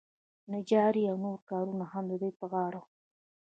نجاري او نور کارونه هم د دوی په غاړه وو.